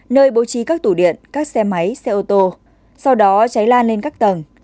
nơi bố trí các tủ điện các xe máy xe ô tô sau đó cháy lan lên các tầng